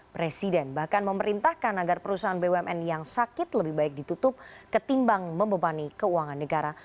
presiden bahkan memerintahkan agar perusahaan bumn yang sakit lebih baik ditutup ketimbang membebani keuangan negara